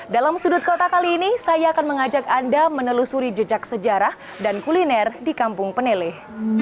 dalam sudut kota kali ini saya akan mengajak anda menelusuri jejak sejarah dan kuliner di kampung peneleh